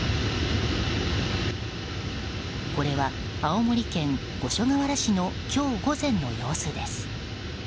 これは青森県五所川原市の今日午前の様子です。